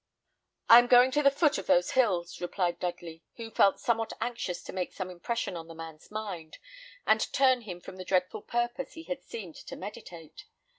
"I am going to the foot of those hills," replied Dudley, who felt somewhat anxious to make some impression on the man's mind, and turn him from the dreadful purpose he seemed to meditate.